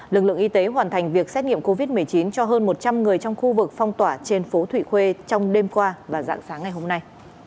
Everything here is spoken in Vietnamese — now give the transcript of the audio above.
lực lượng y tế hoàn thành việc xét nghiệm covid một mươi chín cho hơn một trăm linh người trong khu vực phong tỏa trên phố thụy khuê trong đêm qua và dạng sáng ngày hôm nay